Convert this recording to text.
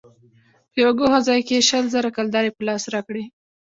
په يوه گوښه ځاى کښې يې شل زره کلدارې په لاس راکړې.